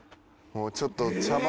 もうちょっと茶番。